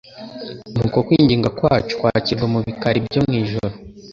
n'uko kwinginga kwacu kwakirwa mu bikari byo mu ijuru.